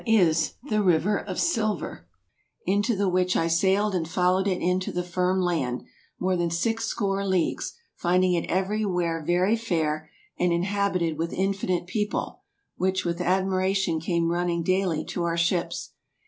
vi. — 4 36 TRAVELERS AND EXPLORERS the riuer of siluer, into the which I sailed and followed it into the firme land, more than sixe score leagues, finding it euery where very faier, and inhabited with infinite people, which with admiration came running dayly to our ships.